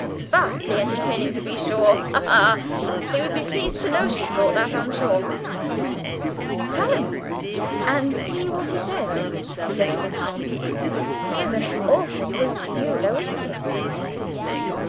Vastly entertaining to be sure ha, ha! He would be pleased to know she thought that, I'm sure." "Tell him, and see what he says," suggested Tom; "he is an awful brute to you though, isn't he?"